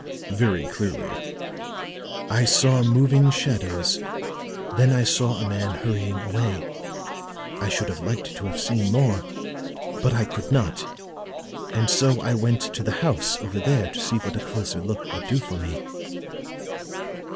"Very clearly." "I saw moving shadows, then I saw a man hurrying away. I should have liked to have seen more, but I could not and so I went to the house over there to see what a closer look would do for me."